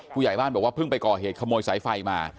ผู้ใหญ่บ้านบอกว่าเพิ่งไปก่อเหตุขโมยสายไฟมา